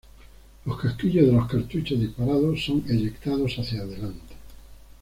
Los casquillos de los cartuchos disparados son eyectados hacia adelante.